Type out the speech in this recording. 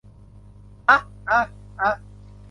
อ๊ะ อ๊ะ อ๊ะ